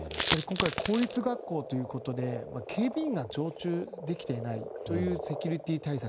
今回公立学校ということで警備員が常駐できていないセキュリティー対策。